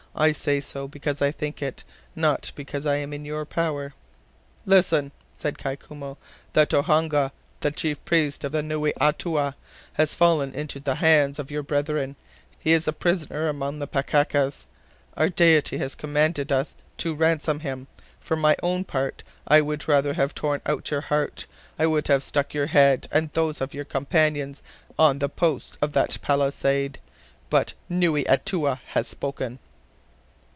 "I say so, because I think it, not because I am in your power." "Listen," said Kai Koumou, "the Tohonga, the chief priest of Noui Atoua has fallen into the hands of your brethren; he is a prisoner among the Pakekas. Our deity has commanded us to ransom him. For my own part, I would rather have torn out your heart, I would have stuck your head, and those of your companions, on the posts of that palisade. But Noui Atoua has spoken."